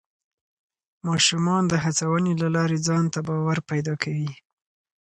ماشومان د هڅونې له لارې ځان ته باور پیدا کوي